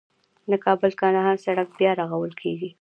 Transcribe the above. د کابل - کندهار سړک بیا رغول کیږي